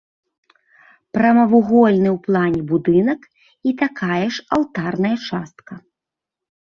Прамавугольны ў плане будынак і такая ж алтарная частка.